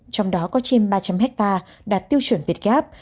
trong đó có trên ba trăm linh hectare đạt tiêu chuẩn việt gáp